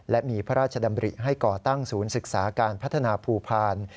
และมีพระราชดำริให้ก่อตั้งศูนย์ศึกษาการพัฒนาภูพาล